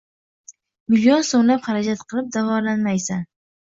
Million so‘mlab xarajat qilib davolanmaysan.